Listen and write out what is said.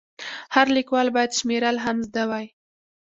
هر لیکوال باید شمېرل هم زده وای.